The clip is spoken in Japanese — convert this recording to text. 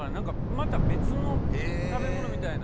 また別の食べ物みたいな。